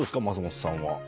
松本さんは。